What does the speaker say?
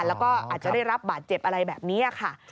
แล้วก็อาจจะได้รับบาดเจ็บอะไรแบบนี้ค่ะ